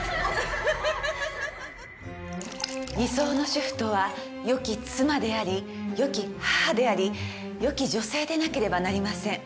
理想の主婦とはよき妻でありよき母でありよき女性でなければなりません。